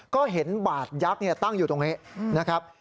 ก็เห็นบาดยักษ์ตั้งอยู่ตรงนี้นะครับ